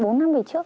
bốn năm về trước